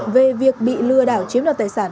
về việc bị lừa đảo chiếm đoạt tài sản